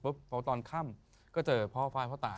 พอตอนค่ำก็เจอพ่อไฟล์พ่อตา